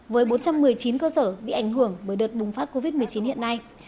với bốn trăm một mươi chín cơ sở bị ảnh hưởng bởi đợt bùng phát covid một mươi chín hiện nay